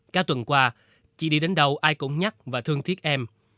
cả tuần qua chị đi đến đâu ai cũng nhắc và thương thiết em